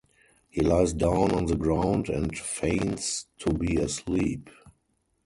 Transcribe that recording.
He lies down on the ground and feigns to be asleep.